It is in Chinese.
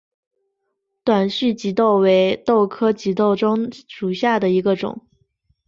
短序棘豆为豆科棘豆属下的一个种。